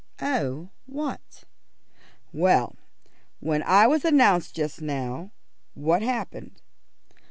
"Oh, what?" "Well, when I was announced just now, what happened?